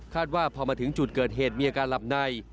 ว่าพอมาถึงจุดเกิดเหตุมีอาการหลับใน